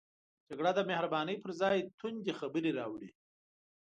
جګړه د مهربانۍ پر ځای توندې خبرې راوړي